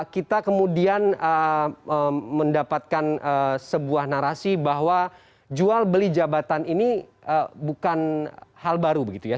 kita kemudian mendapatkan sebuah narasi bahwa jual beli jabatan ini bukan hal baru begitu ya